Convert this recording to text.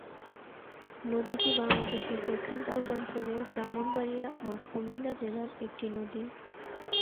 নদীটি বাংলাদেশের দক্ষিণ-পূর্বাঞ্চলের ব্রাহ্মণবাড়িয়া ও কুমিল্লা জেলার একটি নদী।